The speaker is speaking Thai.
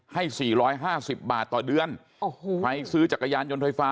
ให้๔๕๐บาทต่อเดือน